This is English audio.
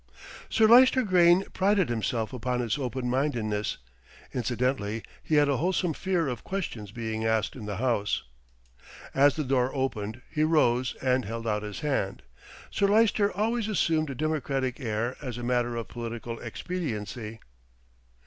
Sir Lyster Grayne prided himself upon his open mindedness; incidentally he had a wholesome fear of questions being asked in the House. As the door opened he rose and held out his hand. Sir Lyster always assumed a democratic air as a matter of political expediency. "Mr.